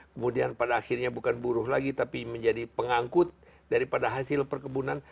kemudian pada akhirnya bukan buruh lagi tapi menjadi pengangkut daripada hasil perkebunan